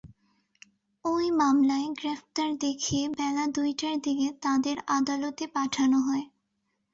ওই মামলায় গ্রেপ্তার দেখিয়ে বেলা দুইটার দিকে তাঁদের আদালতে পাঠানো হয়।